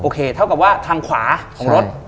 เท่ากับว่าทางขวาของรถ